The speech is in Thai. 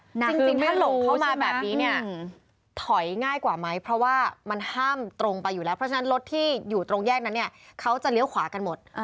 จริงถ้าหลบเข้ามาแบบนี้เนี่ยถอยง่ายกว่าไหมเพราะว่ามันห้ามตรงไปอยู่แล้วเพราะฉะนั้นรถที่อยู่ตรงแยกนั้นเนี่ยเขาจะเลี้ยวขวากันหมด